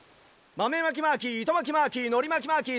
まめまきマーキーいとまきマーキーのりまきマーキー